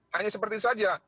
hanya seperti itu saja